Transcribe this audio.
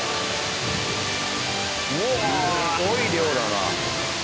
すごい量だな。